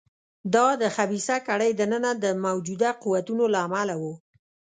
دا د خبیثه کړۍ دننه د موجوده قوتونو له امله و.